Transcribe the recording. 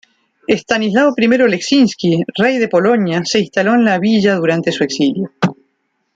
Estanislao I Leszczynski, rey de Polonia, se instaló en la villa durante su exilio.